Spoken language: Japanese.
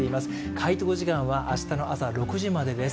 回答時間は明日の朝６時までです。